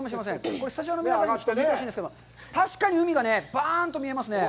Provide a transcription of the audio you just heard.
これ、スタジオの皆さんに見てほしいんですけど、確かに海がバーンと見えますね。